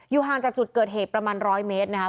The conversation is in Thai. ห่างจากจุดเกิดเหตุประมาณ๑๐๐เมตรนะครับ